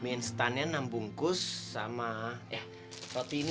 mie instannya enam bungkus sama roti ini tiga